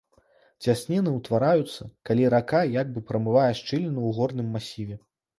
Цясніны ўтвараюцца, калі рака як бы прамывае шчыліну ў горным масіве.